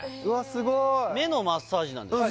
すごい目のマッサージなんですね？